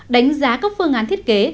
đánh giá các phương án thiết kế